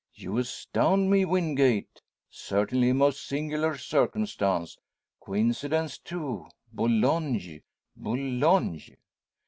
"You astound me, Wingate! Certainly a most singular circumstance! Coincidence too! Boulogne Boulogne!"